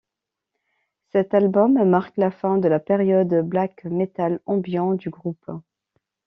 Cet album marque la fin de la période black metal ambiant du groupe.